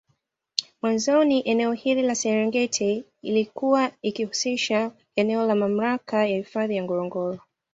Mwanzoni eneo hili la Serengeti ilikuwa ikihusisha eneo la Mamlaka ya hifadhi ya Ngorongoro